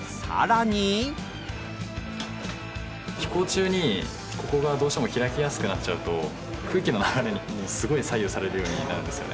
飛行中にここがどうしても開きやすくなっちゃうと空気の流れにすごい左右されるようになるんですよね。